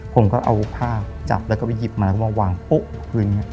ผมก็เอาภาพจับแล้วก็ไปหยิบมาแล้วก็มาวางปุ๊บพื้น